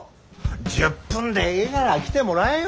１０分でいいがら来てもらえよ。